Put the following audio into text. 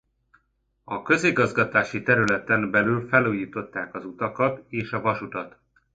A közigazgatási területen belül felújították az utakat és a vasutat.